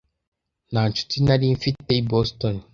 Nta nshuti nari mfite i Boston.